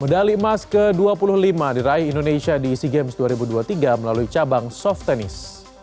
medali emas ke dua puluh lima diraih indonesia di sea games dua ribu dua puluh tiga melalui cabang soft tennis